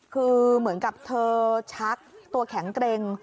คือเหมือนกับเธอชักตัวแข็งเกร็ง